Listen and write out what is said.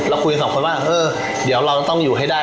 คุยกันสองคนว่าเออเดี๋ยวเราต้องอยู่ให้ได้